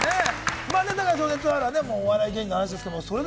『だが、情熱はある』はお笑い芸人の話ですけど。